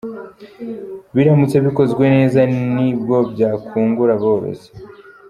Biramutse bikozwe neza ni bwo byakungura aborozi”.